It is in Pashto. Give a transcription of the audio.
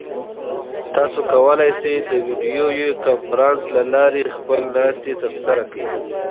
تاسو کولای شئ چې د ویډیویي کنفرانس له لارې خپله ناسته ترسره کړئ.